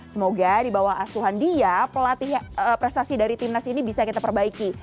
semoga di bawah asuhan dia pelatih prestasi dari timnas ini bisa kita perbaiki